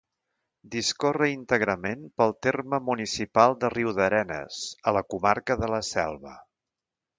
Discorre íntegrament pel terme municipal de Riudarenes, a la comarca de la Selva.